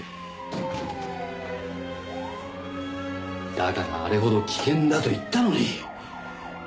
だからあれほど危険だと言ったのに！